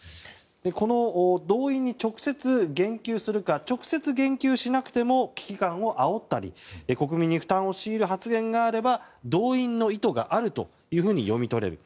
この動員に直接、言及するか直接、言及しなくても危機感をあおったり国民に負担を強いる発言があれば動員の意図があるというふうに読み取れる。